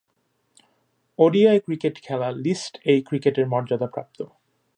ODI cricket খেলা list A ক্রিকেটের মর্যাদাপ্রাপ্ত।